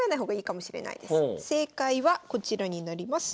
正解はこちらになります。